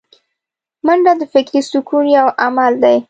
منډه د فکري سکون یو عمل دی